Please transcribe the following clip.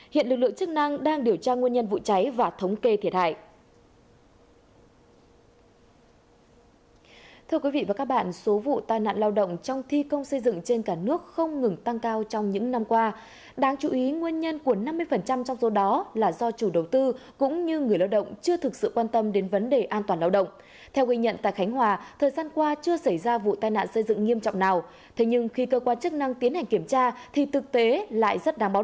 hiện lực lượng chức năng đang điều tra nguyên nhân vụ cháy và thống kê thiệt hại